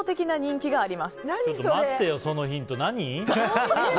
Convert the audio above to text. ちょっと待ってよそのヒント何？